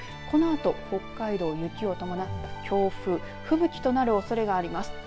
このあと北海道雪を伴った強風吹雪となるおそれがあります。